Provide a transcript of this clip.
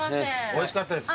おいしかったです。